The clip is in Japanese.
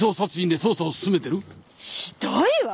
ひどいわ。